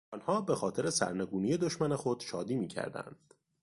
آنها بخاطر سرنگونی دشمن خود شادی میکردند.